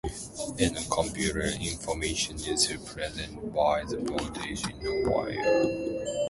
In a computer, information is represented by the voltage on a wire.